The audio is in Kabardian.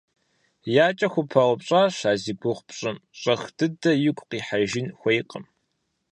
И акӀэр хупаупщӀащ а зи гугъу пщӀым, щӀэх дыдэ игу къихьэжын хуейкъым.